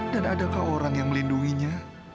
adakah orang yang melindunginya